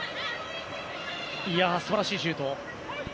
素晴らしいシュート。